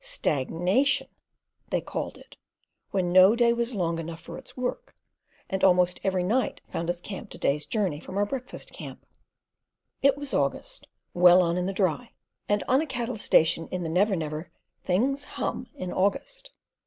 "Stagnation!" they called it, when no day was long enough for its work, and almost every night found us camped a day's journey from our breakfast camp. It was August, well on in the Dry, and on a cattle station in the Never Never "things hum" in August.